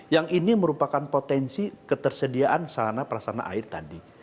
yang ini merupakan potensi ketersediaan salana prasana air tadi